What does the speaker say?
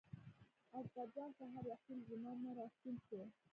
اکبر جان سهار وختي له جومات نه راستون شو.